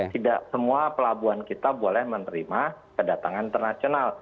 tidak semua pelabuhan kita boleh menerima kedatangan internasional